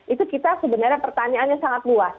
itu kita sebenarnya pertanyaannya sangat luas